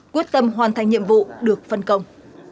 quyết tâm hoàn thành nhiệm vụ được phân công